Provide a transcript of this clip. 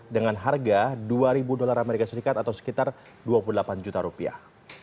dengan harga dua ribu dolar amerika serikat atau sekitar dua puluh delapan juta rupiah